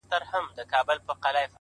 را ايله يې کړه آزار دی جادوگري!